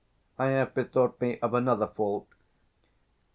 I have bethought me of another fault.